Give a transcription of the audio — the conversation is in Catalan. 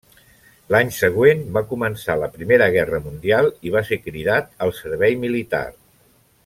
L'any següent va començar la Primera Guerra Mundial i va ser cridat al servei militar.